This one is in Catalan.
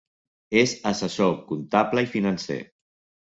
És assessor comptable i financer.